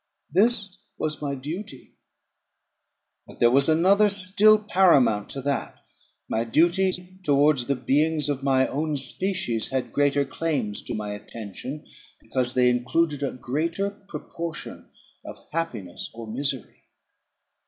This was my duty; but there was another still paramount to that. My duties towards the beings of my own species had greater claims to my attention, because they included a greater proportion of happiness or misery.